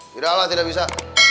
tidak lah tidak bisa